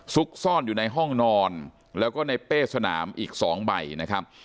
ซุกซ่อนอยู่ในห้องนอนแล้วก็ในเป้สนามอีก๒ใบนะครับ